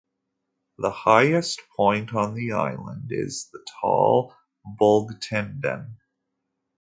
The highest point on the island is the tall "Bolgtinden".